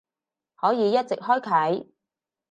可以一直開啟